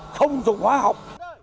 không dùng hóa học